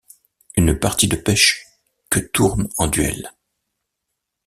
Une partie de pêche que tourne en duel.